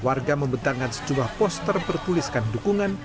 warga membentangkan sejumlah poster bertuliskan dukungan